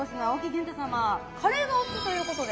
カレーがお好きということで。